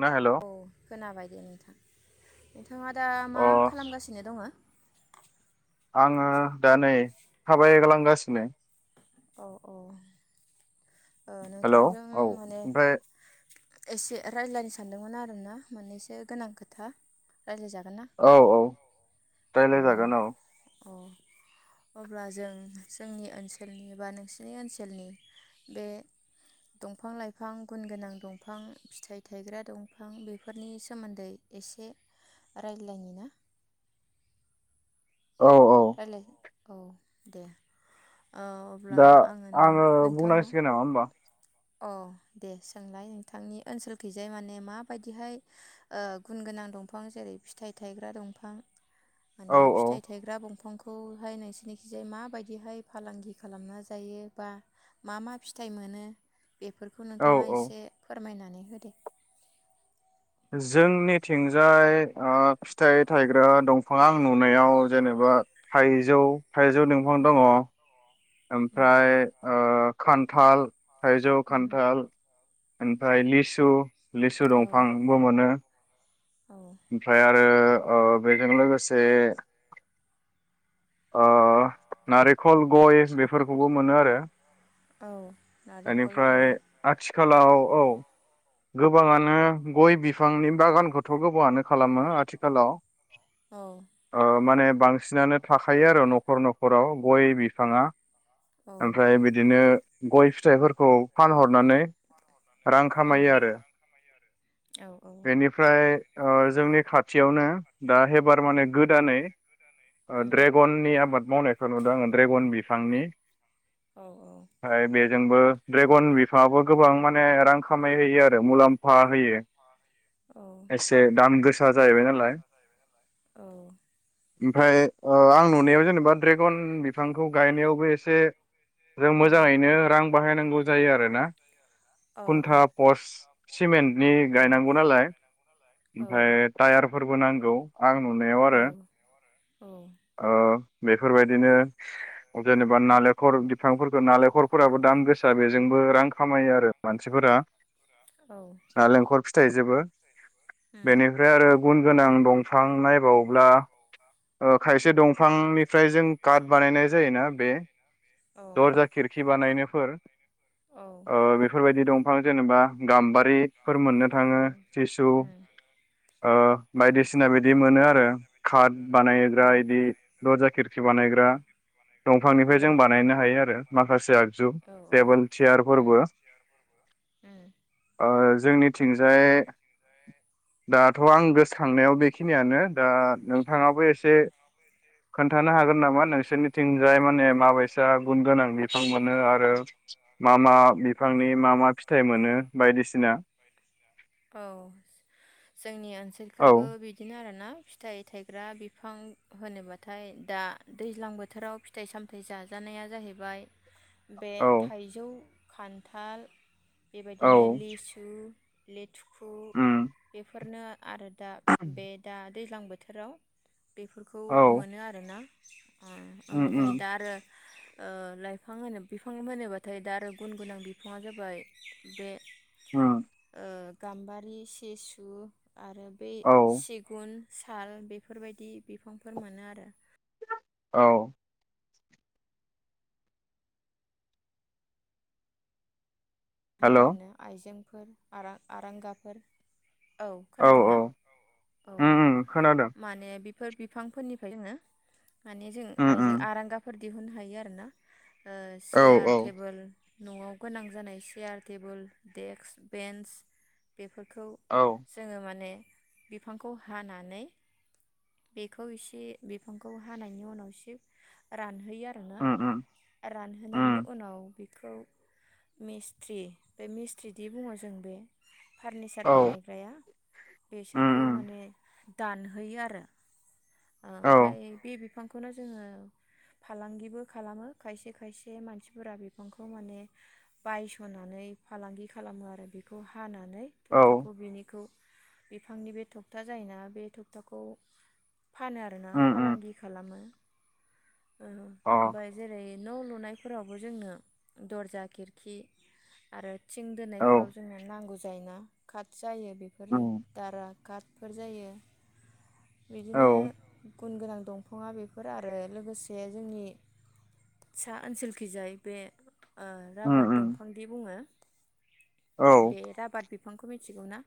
ना हेल' औ खोनाबाय दे नोंथां। नोंथांङा दा अ मा खालामगासिनो दङो? आंङो दा नै थाबायग्लांगासिनो। औ औ। ओ हेलौ नोंथांजों औ माने ओमफ्राय एसे रायलायनो सानदोंमोन आरोना मोननैसो गोनां खोथा। रायलायजागोन ना? औ औ अ रायलायजागोन औ अ अब्ला जों जोंनि ओनसोलनि बा नोंसिनि ओनसोलनि बे दंफां-लाइफां गुन गोनां दंफां फिथाइ थायग्रा दंफां बेफोरनि सोमोन्दै एसे रायलायनि ना। औ औ रायलायगोन। औ दे। ओ अब्ला दा आङो नों आंङो नोंथांनाव बुंनांसिगोन नामा होमबा? अ दे सोंलाय नोंथांनि ओनसोलखैजाय माने माबायदिहाय ओ गुन गोनां दंफां जेरै फिथाइ थायग्रा दंफां औ माने औ फिथाइ थायग्रा बंफांखौ औहाय नोंसिनिखिजाय माबायदिहाय फालांगि खालामना जायो बा मा मा फिथाइ मोनो? बेफोरखौ औ नोंथाङा औ एसे फोरमायनाय। नै होदो। जोंनिथिंजाय ओ फिथाइ थायग्रा दंफांया आं नुनायाव जेनेबा थाइजौ थाइजौ दंफां दंङ। उम ओमफ्राय ओ खान थाल थायजौ, उम खान्थाल, ओमफ्राय लिसु लिसु औ दंफांबो मोनो औ ओमफ्राय आरो ओ बेजों लोगोसे ओ नारेखल गय बेफोरखौबो मोनो आरो। औ नारेंखल एनिफ्राय गय आथिखालाव औ गोबांयानो गय बिफांनि बागानखौथ' गो हआनो खालामो आथिखालाव। औ ओ माने बांसिनानो थाखायो आरो न'खर न'खराव गय बिफाङा औ ओमफ्राय बिदिनो गय फिथाइफोरखौ फानहरनानै रां उम खामायो आरो औ औ बेनिफ्राय ओ जोंनि खाथियावनो दा हेबार माने गोदानै ओ उम ड्रेगननि आबाद मावनायखौ नुदों आङो ड्रेगन बि थांनि। औ औ। जोंबो ड्रेगन बिफाङाबो गोबां माने रां खामायहयो आरो मुलाम्फ फा होयो। औ से दाम गोसा जाहैबाय नालाय। ओमफ्राय ओ आं नुनायाव जेनेबा ड्रेगन बिफांखौ गायनायावबो एसे जों मोजाङैनो रां बाहायनांगौ जायो आरोना खुन्था पर्स सिमेन्टनि गायनांगौ नालाय। उमफाय थायार फोरबो नांगौ आं नुनायाव आरो औ ओ बेफोरबायदिनो जेनेबा नालेखर बिफांफोरखौ नालेखरफोराबो दाम गोसा बेजोंबो रां खामायो आरो मानसिफोरा। नालेंखर फिथ फिथाइजोबो बेनिफ्राय आरो गुन गोनां दंफां नायबाव्ला ओ खायसे दंफांनिफ्राय जों काट बानायनाय जायोना बे दरजा खिरखि बानायनायफोर औ ओ बेफोरबायदि दं बिफां जेनेबा गामबा रि फोर मोननो थांङो सिसु ओ बायदिसिना बिदि मोनो आरो खात बानायो दा इदि दरजा किरकि बानायग्रा दंफांनिफ्राय जों बानायनो हायो आरो माखासे आगजु तेबोल सियारफोरबो औ ओ जोंनिथिंजाय दाथ' आं गोसोखांनायाव बेखिनियानो दा नोंथाङाबो एसे खोन्थानो हागोन नामा नोंसोरनिथिंजाय माने माबैसा गुन गोनां बिफां मोनो आरो मा मा बिफांनि मा मा फिथाइ मोनो बायदिसिना? औ बिखैबो बिदिनो आरोना फिथाइ थायग्रा बिफां होनोबाथाय दा दैज्लां बोथोराव फिथाइ सामथाइ जाजानाया जाहैबाय बे औ थाइजौ खान्थाल औ बेबायदिनो लिसु लेथुखु उम बेफोरनो आरो दा बेदा दैज्लां बोथोराव बेफो खौ औ मोनो आरोना ओ उम उम ओमफ्राय दा आरो ओ लाइफां होनो बिफां होनोबाथाय दा आरो गुन गोनां बिफाङा जाबाय बे उम ओ गाम्बारि सेसु आरो बे औ सिगुन साल बेफोरबायदि बिफांफोर मोनो आरो औ हेल' बेहाय आरो औ आइजें फोर आरां-आरांगाफोर औ खोनादोंना औ उम उम खोनादों माने फोर बिफांफोरनिफ्राय जोङो माने जों उम उम आयजों आरांगाफोर दिहुननो हायो आरो ना ओ औ सियार औ टेबोल न'आव गोनां जानाय यार टेबोल देक्स बेन्स बेफोरखौ औ जोङो माने बिफांखौ हानानै बेखौ एसे बिफांखौ हानायनि उनाव एसे रान होयो आरोना उम उम रानहोनायनि उम उनाव खौ मिस स्ट्रि बे मिस्ट्रि दि बुङो जों बे फारनिचार औ बानायग्राया उम बेसोरखौ उम माने दानहोयो आरो ओ औ ओमफ्राय बे बिफां खौनो जोङो फालांगिबो खालामो खायसे खायसे मानसिफोरा बिफांखौ माने बायस'नानै फालांगि खालामो आरो बेखौ हाना नै औ थबथाखौ बिनिखौ बिफांनि बे थबथा जायोना बे थबथाखौ फानो आरोना उम उम फालांगि खालामो अ ओमफ्राय जेरै न' लुनायफोरावबो जोंनो दर्जा खिरखि आरो थिं औ दोनायफोराव जोंनो नांगौ जायना खाथि जायो बेफोरो उम दारा कार्डफोर जायो। औ बिदिनो गुन गोनां दंफाङा बेफोर आरो लोगोसे जोंनि सा ओनसोलखिजाय बे ओ उम रभार्ट उम दंफांदि बुङो औ बे राबाद बि बिफांखौ मिथिगौ ना?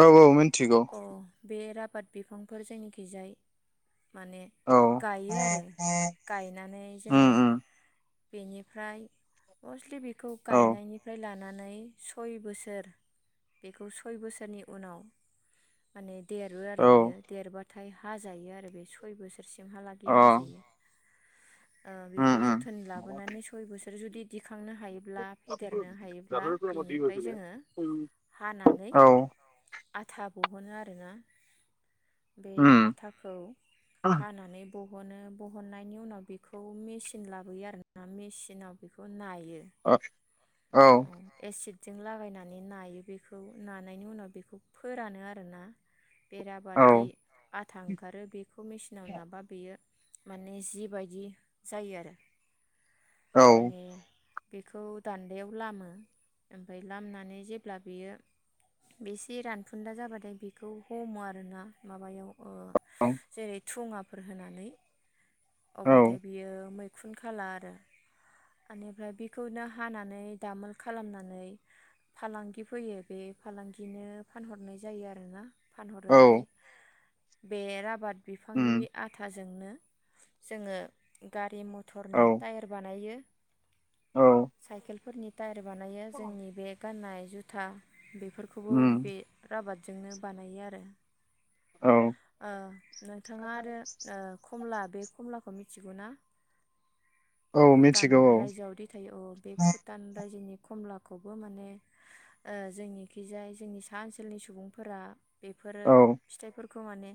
औ औ मोन अ बे रा बाद बिफांफोर जोंनिखिजाय माने गायो आरो औ गायनानै उम जोङो उम बेनिफ्राय मस्टलि बे खौ औ गायनायनिफ्राय ला नानै सय बोसोर बेखौ सय बोसोरनि उनाव माने देरो आरो औ बियो देरबा थाय हाजायो आरो बे सय बोसोर अ सिमहालागैयो हाजायो। ओ उम बेखौ जोथोन औ उम लाबोनानै सय बोसोर जुदि दि खांनो हायोब्ला फेदेरनो अ हायोब्ला औ औ बिनिफ्राय जोङो हानानै आथा बह'नो आरोना। बे आथाखौ हानानै बहनो बहननायनि उनाव बेखौ मेचिन लाबोयो आर ना मेचिनाव बेखौ नाय अ औ एसिद जों लागायनानै नायो बेखौ नानायनि उनाव बेखौ फोरानो आरोना औ एराबाददि आथा ओंखारो बेखौ मेचिनाव नाबा बेयो माने जिबायदि जायो आरो। औ माने बेखौ दान दायाव लामो ओमफ्राय लामनानै जेब्ला बेयो बेसे रानफुन्दा जाबाथाय बेखौ हमो आरोना माबायाव अ जेरै धुङाफोर होनानै औ अबाथाय बियो मै खुनखाला आरो ओनिफ्राय बेखौनो हाना नै दामोल खालामनानै फालांगि फैयो बे फालांगिनो फानहरनाय जायो आरोना। फानहरो औ ओमफाय बे राबाद बिफांनि उम बे आथा जो जोंनो जोङो गारि म औ थरनि टायार बानायो। औ साइकेल फोरनि तायार बानायो जोंनि बे गान्नाय जुथा बे बेफोरखौबो उम बे राबाद जोंनो बानायो आरो। औ ओ नोंथाङा आरो ओ खमला बे खमला मिथिगौना। औ भुटान मिथिगौ रायजोआव दै थायो अ बे औ भुट रायजोनि खमलाखौबो माने ओ जोंनिखिजाय जोंनि सा ओनसोलनि सुबुंफोरा बेफोरो औ फिथाइफोर खौ माने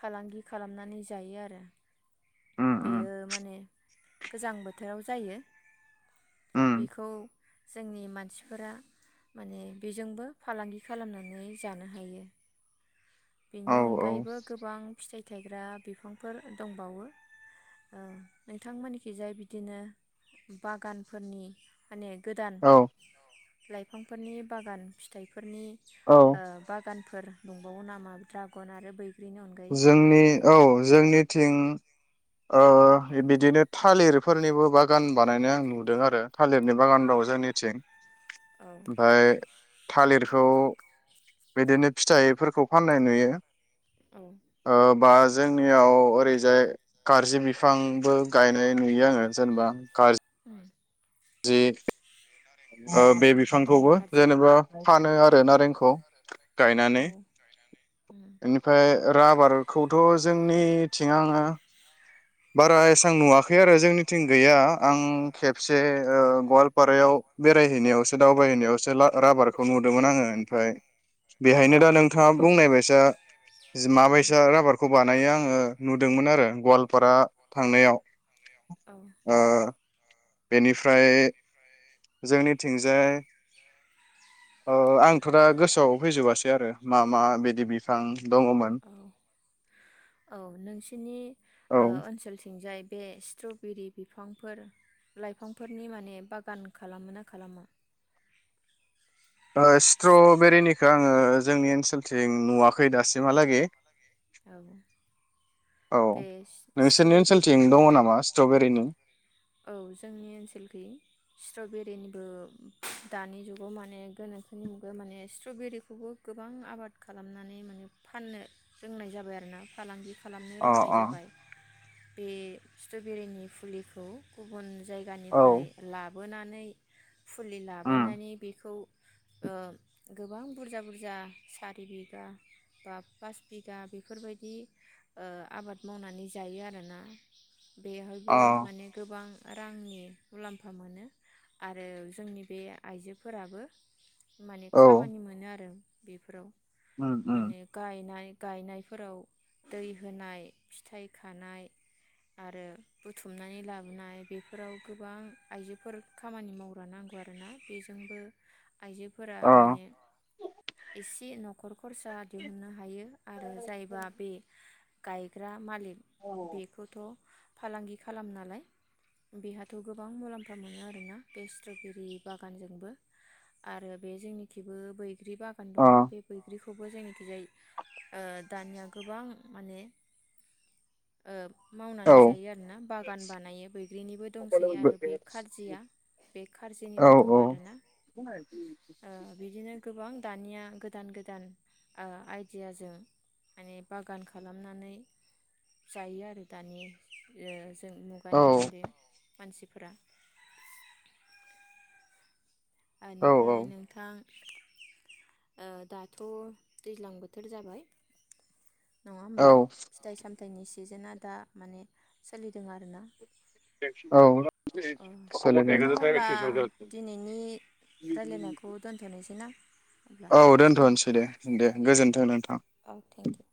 फालांगि खालामनानै जायो आरो उम उम बेयो माने गोजां बोथोराव जायो। उम बेखौ जोंनि मानसिफोरा माने बेजोंबो फालांगि खालामनानै जानो हायो। बेनि औ औ अनगायैबो गोबां फिथाइ थाइग्रा बिफांफोर दंबावो ओ नोंथांमोनखि जाय बिदिनो बागानफोरनि माने गोदान औ लाइफांफोरनि बागान फिथाइ फोरनि औ ओ बा गानफोर दंबावो नामा? द्रागन आरो बै जोंनि औ जोंनिथिं ओ बिदिनो थालिरफोरनिबो बागान बानायनाय आं नुदों आरो थालिरनि बागान दं जोंनिथिं। औ ओमफाय थालिर खौ बिदिनो फिथाइफोरखौ फाननाय नुयो। औ ओ बास जोंनियाव ओरैजाय गारजि बिफांबो गायनाय नुयो आंङो जेनेबा खा उम जे ओ औ बे नारें बिफांखौबो खारजि जेनेबा फानो आरो नारें खौ गायनानै औ उम इनिफ्राय राबारखौथ' जोंनिथिं आंङो बारा एसां नुवा खै आरो जोंनिथिं गैया आं खेबसे ओ गवालपारायाव बेरायहैनायावसो दावबायहैनायावसो ला-राबारखौ नुदोंमोन आंङो ओमफ्राय औ बेहायनो दा नोंथांङा बुंनायबायसा जि औ माबायसा राबारखौ बानायो आंङो नुदोंमोन आरो गवाल फारा थांनायाव औ ओ बेनिफ्राय जोंनिथिंजाय ओ आंथ' दा गोसोआव फैजोबासै आरो मा मा बिदि बिफां दङमोन औ औ नोंसिनि औ ओ ओनसोल थिंजाय बे स्ट्र'बेरि बिफांफोर लाइफांफोरनि माने बागान खालामोना खालामा? ओ स्ट्रबेरिनिखौ आंङो जोंनि ओनसो खेलथिं नुवाखै दासिमहालागै औ औ बे सि- नोंसोरनि स्ट्रबेरि ओनसोलथिं दङ नामा स्ट्रबेरिनि औ जोंनि ओनसोलखै स्ट्रबेरिनिबो दानि जुगाव माने गोनोखोनि मुगायाव माने स्ट्रबेरिखौबो गोबां आबाद खालामनानै माने फाननो रोंनाय जाबाय आरोना फालांगि खालामनो अ रोंनाय अ जाबाय। बे स्ट्रबेरिनि फुलिखौ गुबुन औ जायगानिफ्राय लाब बोनानै फुलि उम लाबोनानै बेखौ ओ गोबां बुरजा बुरजा सारि बिगा बा पास बिगा बेफोरबायदि ओ आबाद मावनानै जायो आरोना। बेहायबो अ माने गोबां रांनि मुलाम्फा मोनो आरो जोंनि बे आइजोफोराबो माने औ खामानि मोनो आरो। बेफोराव उम उम माने गायनाय गायनायफोराव दै होनाय फिथाइ खानाय आरो बुथुमनानै लाबोनाय बेफोराव गोबां आइजोफोर खामानि मावग्रा नांगौ आरोना बेजोंबो आइजोफोरा अ माने एसे न'खर खरसा दिहुननो हायो आरो जायबा बे गायग्रा मालिक बेखौथ' फालांगि खालाम नालाय बेहाथ' गोबां मुलाम्फा मोनो आरोना बे स्ट्रबेरि बागानजोंबो आरो बे जोंनिखिबो बै बैग्रि बागान औ दङ बे बैग्रिखौ बेखौबो जोंखिजाय ओ दानिया गोबां माने औ मावनानै जायो आरोना बागान बानायो बैग्रिनिबो दंसै आरो बे खारजिया बे औ खारजिनिबो दं आरोना बिदिनो गोबां दानिया गोदान गोदान ओ माने बागान खालामनानै जायो आरो दानि ओ जों औ मुगानि मादि मानसि फोरा औ ओनिफ्राय नोंथां दाथ' दैज्लां बोथोर जाबाय नङा औ होमबा फिथाइ सामथायनि सिजेना दा माने सोलिदों आरो ना औ अ नोंथां अब्ला सोलिदों दिनैनि रायलायनायखौ दोनथ'नोसै ना अब्ला औ बेखिनियाव दोनथ'नोसै दे दे गोजोनथों नोंथां औ थेंकिउ